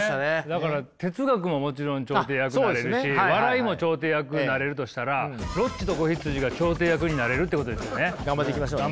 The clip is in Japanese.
だから哲学ももちろん調停役になれるし笑いも調停役になれるとしたら「ロッチと子羊」が調停役になれるってことですよね。